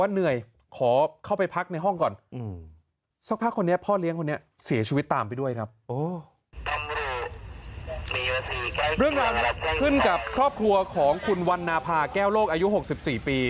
เรื่องราวที่เกิดขึ้นกับครอบครัวของคุณวันนาพาแก้วโลกอายุ๖๔ปี